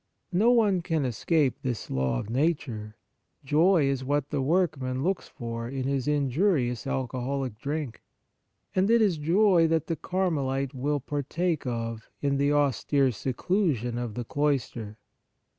No one can escape this law of nature : joy is what the workman looks for in his injurious alcoholic drink, and it is joy that the Carmelite will partake of in the austere seclusion of the cloister.